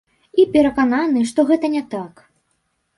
Я перакананы, што гэта не так.